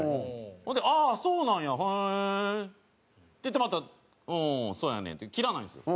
ほんで「ああそうなんや。へえ」って言ってまた「うんそうやねん」って切らないんですよ。